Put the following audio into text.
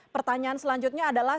pertanyaan selanjutnya adalah